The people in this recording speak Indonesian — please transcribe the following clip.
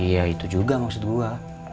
iya itu juga maksud gue